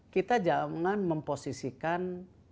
kita jangan memposisikan